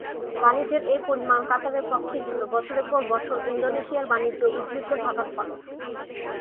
বাণিজ্যের এ পরিমাণ কাতারের পক্ষেই ছিল, বছরের পর বছর ইন্দোনেশিয়ার বাণিজ্য উদ্বৃত্ত থাকার ফলে।